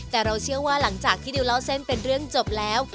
แต่เราเชื่อว่าหลังจากที่ดิวเล่าเส้นเป็นเรื่องจบแล้ว